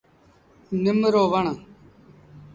نم رو وڻ ۔